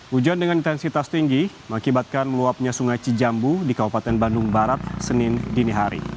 hujan dengan intensitas tinggi mengakibatkan meluapnya sungai cijambu di kabupaten bandung barat senin dini hari